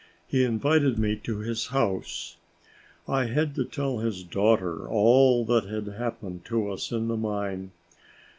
He invited me to his house. I had to tell his daughter all that had happened to us in the mine.